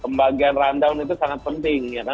pembagian rundown itu sangat penting